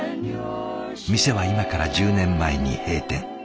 店は今から１０年前に閉店。